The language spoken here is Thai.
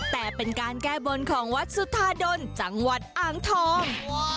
แต่เป็นการแก้บนของวัดสุธาดลจังหวัดอ่างทอง